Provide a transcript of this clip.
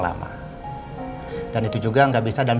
temancional apa kamu